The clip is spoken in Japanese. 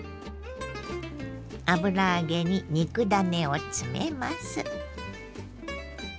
油揚げに肉ダネを詰めます。